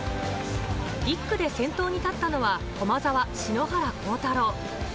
１区で先頭に立ったのは駒澤・篠原倖太朗。